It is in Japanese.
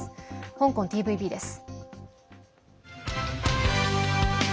香港ＴＶＢです。